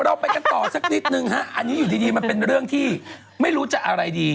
เราไปกันต่อสักนิดนึงฮะอันนี้อยู่ดีมันเป็นเรื่องที่ไม่รู้จะอะไรดี